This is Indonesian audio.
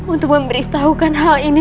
untuk memberitahukan hal ini